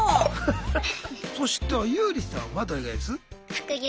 そしてユーリさんはどれぐらいです？